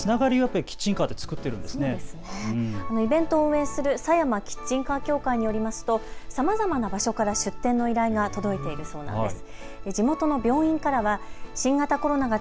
イベントを運営するさやまキッチンカー協会によりますとさまざまな場所から出店の依頼が届いているそうなんです。